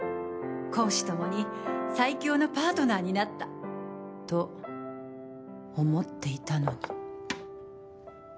公私共に最強のパートナーになったと思っていたのに。